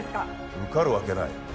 受かるわけない？